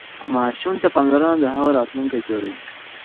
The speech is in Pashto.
ماشوم ته پاملرنه د هغه راتلونکی جوړوي.